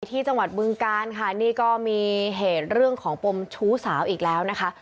ที่จังหวัดบึงการค่ะนี่ก็มีเหตุเรื่องของปมชู้สาวอีกแล้วนะคะ